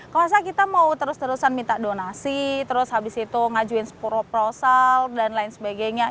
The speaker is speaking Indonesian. kalau misalnya kita mau terus terusan minta donasi terus habis itu ngajuin proposal dan lain sebagainya